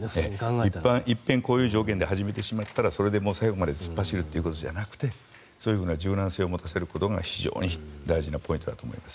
いっぺん、こういう条件で始めてしまったらそれで最後まで突っ走るってことじゃなくてそういうふうな柔軟性を持たせることが非常に重要なポイントだと思います。